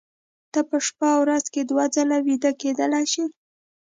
ته په شپه ورځ کې دوه ځله ویده کېدلی شې